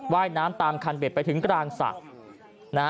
ว่ายน้ำตามคันเบ็ดไปถึงกลางสระ